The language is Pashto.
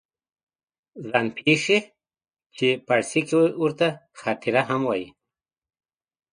ځان پېښې چې فارسي کې ورته خاطره هم وایي